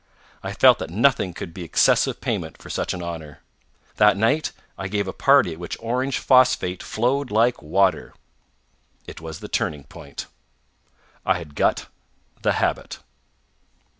I felt that nothing could be excessive payment for such an honor. That night I gave a party at which orange phosphate flowed like water. It was the turning point. I had got the habit!